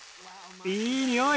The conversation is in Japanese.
いいにおい！